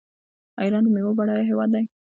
ایران د میوو بډایه هیواد دی.